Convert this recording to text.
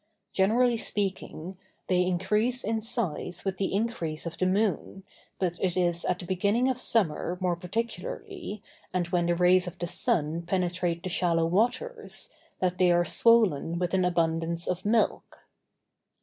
Generally speaking, they increase in size with the increase of the moon, but it is at the beginning of summer, more particularly, and when the rays of the sun penetrate the shallow waters, that they are swollen with an abundance of milk.